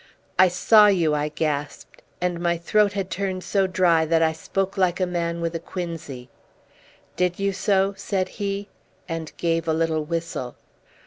"I saw you!" I gasped; and my throat had turned so dry that I spoke like a man with a quinsy. "Did you so?" said he, and gave a little whistle.